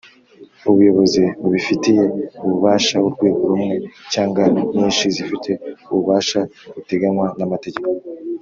Ubuyobozi bubifitiye ububasha: urwego rumwe cyangwa nyinshi zifite ububasha buteganywa n’amategeko;